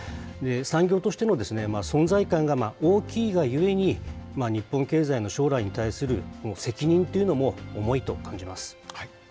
産業としての存在感が大きいがゆえに、日本経済の将来に対する責任というのも重いと感じます。